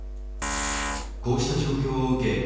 こうした状況を受け